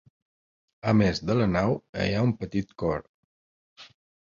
A més de la nau, hi ha un petit cor.